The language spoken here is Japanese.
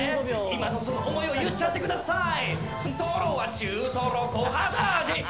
今こそ思いを言っちゃってください！